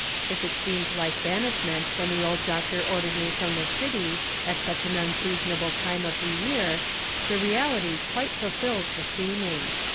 If it seemed like banishment" when the old doctor ordered me from the city, at such an unseasonable time of the year, the reality quite fulfills the seeming.